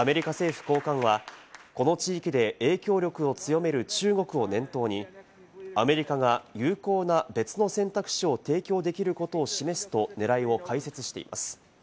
アメリカ政府高官はこの地域で影響力を強める中国を念頭に、アメリカが有効な別の選択肢を提供できることを示すと狙いを解説しています。